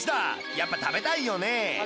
やっぱ食べたいよね